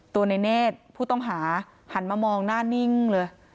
ในเนธผู้ต้องหาหันมามองหน้านิ่งเลย